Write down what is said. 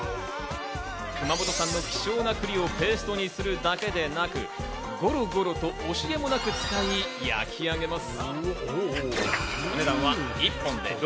熊本産の希少な栗をペーストにするだけでなく、ゴロゴロと惜しげもなく使い、焼き上げます。